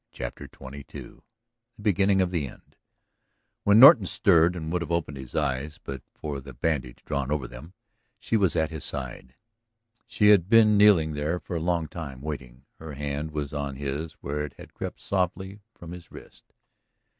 CHAPTER XXII THE BEGINNING OF THE END When Norton stirred and would have opened his eyes but for the bandage drawn over them, she was at his side. She had been kneeling there for a long time, waiting. Her hand was on his where it had crept softly from his wrist.